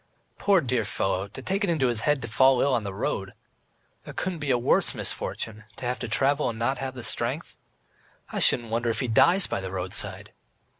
"Poor, dear fellow, to take it into his head to fall ill on the road. There couldn't be a worse misfortune, to have to travel and not have the strength. ... I shouldn't wonder if he dies by the roadside.